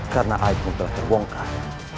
karena airmu telah terbongkar